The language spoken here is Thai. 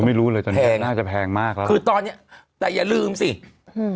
ไม่รู้เลยตอนนี้แพงน่าจะแพงมากแล้วคือตอนเนี้ยแต่อย่าลืมสิอืม